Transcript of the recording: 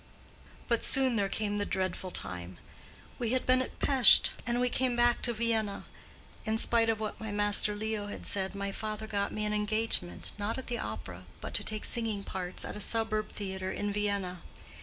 "But soon there came the dreadful time. We had been at Pesth and we came back to Vienna. In spite of what my master Leo had said, my father got me an engagement, not at the opera, but to take singing parts at a suburb theatre in Vienna.